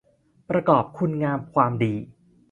ประกอบคุณงามความดี